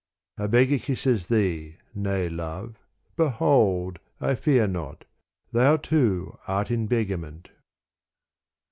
A beggar kisses thee, nay love, behold, 1 fear not : thou too art in beggarment.